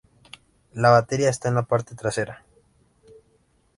La batería está en la parte trasera.